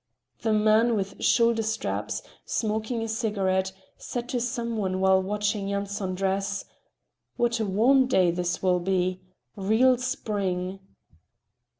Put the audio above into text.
The man with shoulder straps, smoking a cigarette, said to some one while watching Yanson dress: "What a warm day this will be. Real spring."